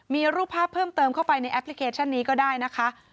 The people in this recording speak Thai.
มีรูปภาพเพิ่มเติมเข้าไปในแอปพลิเคชันนี้ก็ได้นะคะ